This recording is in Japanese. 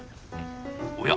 おや？